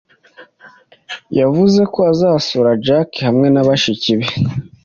Yavuze ko azasura Jack hamwe na bashiki be.